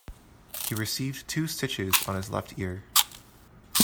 He received two stitches on his left ear.